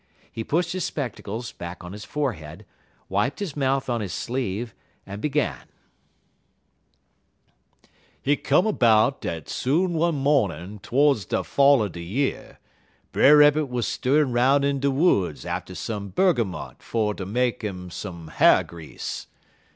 He pushed his spectacles back on his forehead, wiped his mouth on his sleeve, and began: "Hit come 'bout dat soon one mawnin' todes de fall er de year, Brer Rabbit wuz stirrin' 'roun' in de woods atter some bergamot fer ter make 'im some h'ar grease.